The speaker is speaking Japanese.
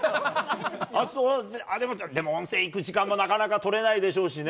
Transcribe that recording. そう、でも温泉行く時間もなかなか取れないでしょうしね。